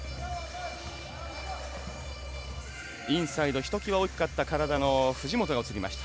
インサイド、ひときわ大きかった体の藤本が映りました。